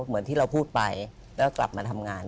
เหมือนที่เราพูดไปแล้วกลับมาทำงาน